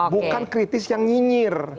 bukan kritis yang nyinyir